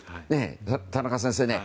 田中先生ね。